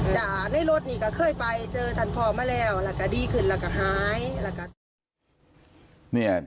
แต่ในรถนี่ก็เคยไปเจอท่านพ่อมาแล้วแล้วก็ดีขึ้นแล้วก็หายแล้วก็